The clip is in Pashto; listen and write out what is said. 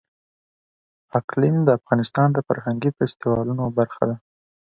اقلیم د افغانستان د فرهنګي فستیوالونو برخه ده.